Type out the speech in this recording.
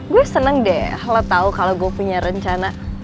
gue seneng deh lo tau kalau gue punya rencana